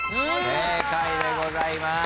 正解でございます。